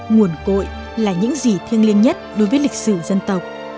nguồn cội là những gì thiêng liêng nhất đối với lịch sử dân tộc